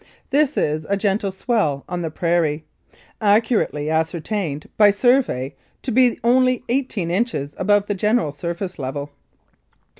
This is a gentle swell on the prairie, accurately ascertained by survey to be only eigh teen inches above the general surface level.